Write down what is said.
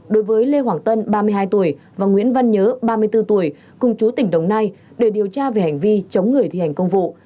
đối với lê hoàng tân ba mươi hai tuổi và nguyễn văn nhớ ba mươi bốn tuổi cùng chú tỉnh đồng nai để điều tra về hành vi chống người thi hành công vụ